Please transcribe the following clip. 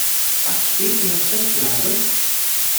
Was steht in der Sprechblase?